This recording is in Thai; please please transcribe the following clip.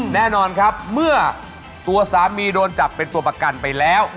แน่นอนครับเมื่อตัวสามีโดนจับเป็นตัวประกันไปแล้ว